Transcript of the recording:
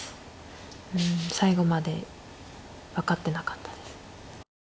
最後まで分かってなかったです。